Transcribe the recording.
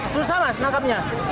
susah mas menangkapnya